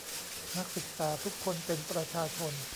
นักศึกษาทุกคนเป็นประชาชน